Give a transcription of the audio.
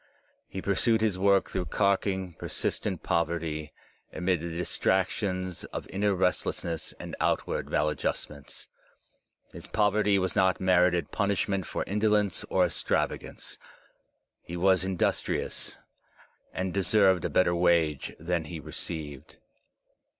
He pursued his work through carking, persistent poverty, amid the distractions of inner restlessness and outward maladjustments. His pov erty was not merited punishment for indolence or extrava gance. He was industrious, and deserved a better wage than he received.